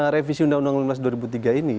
revisi undang undang tahun dua ribu tiga ini